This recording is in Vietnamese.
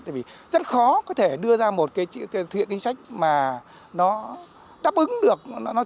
tại vì rất khó có thể đưa ra một cái chính sách mà nó đáp ứng được